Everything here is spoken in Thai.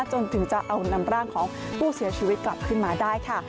จนถึงจะเอานำร่างของผู้เสียชีวิตกลับขึ้นมาได้ค่ะ